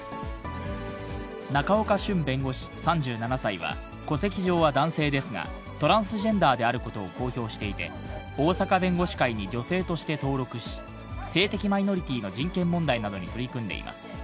仲岡しゅん弁護士３７歳は、戸籍上は男性ですが、トランスジェンダーであることを公表していて、大阪弁護士会に女性として登録し、性的マイノリティーの人権問題などに取り組んでいます。